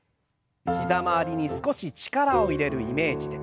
膝周りに少し力を入れるイメージで。